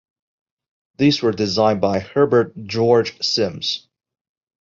These were designed by Herbert George Simms.